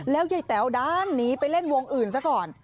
ยายแต๋วด้านหนีไปเล่นวงอื่นซะก่อน